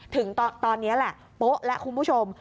ถึงตอนนี้แหละโป๊ะแล้วคุณผู้ชม